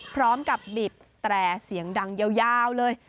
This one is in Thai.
พร้อมกับบีบแตร่เสียงดังยาวเลย